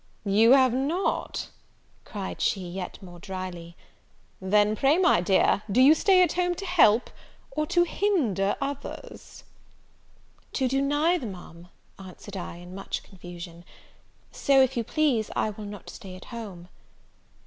"You have not!" cried she, yet more drily; "then pray, my dear, do you stay at home to help, or to hinder others?" "To do neither, Ma'am," answered I, in much confusion; "so, if you please, I will not stay at home."